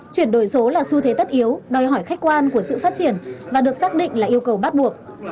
chuyển đổi số là xu thế tất yếu đòi hỏi khách quan của sự phát triển và được xác định là yêu cầu bắt buộc